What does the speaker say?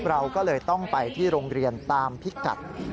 เราก็เลยต้องไปที่โรงเรียนตามพิกัด